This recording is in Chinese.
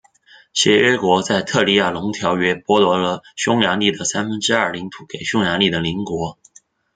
协约国在特里亚农条约剥夺了匈牙利的三分之二领土给匈牙利的邻国。